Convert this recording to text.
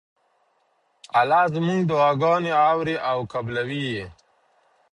الله زموږ دعاګانې اوري او قبلوي یې.